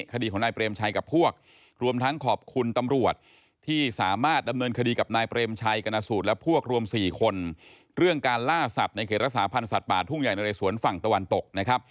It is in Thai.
คดีของนายเปรมไชยกับพวก